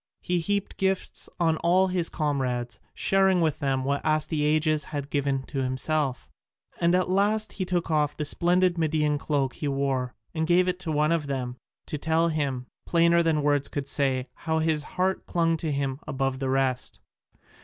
He heaped gifts on all his comrades, sharing with them what Astyages had given to himself; and at last he took off the splendid Median cloak he wore and gave it to one of them, to tell him, plainer than words could say, how his heart clung to him above the rest.